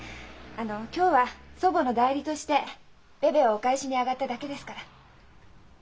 あの今日は祖母の代理としてベベをお返しにあがっただけですから。